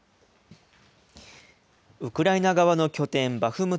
ウクライナ側の拠点、バフム